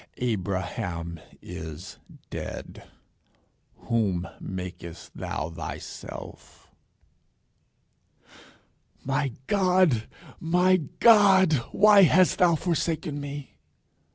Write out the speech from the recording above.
Abraham is dead. Whom makest thou thyself?" "My God, my God, why hast thou forsaken me?"